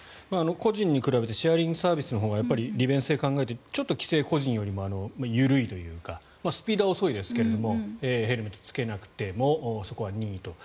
個人に比べてシェアリングサービスのほうが利便性を考えて、ちょっと規制が個人よりも緩いというかスピードは遅いですがヘルメットを着けなくてもそこは任意と。